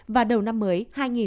và đầu năm mới hai nghìn hai mươi hai